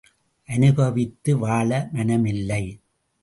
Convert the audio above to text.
அனுபவித்து வாழ மனமில்லை!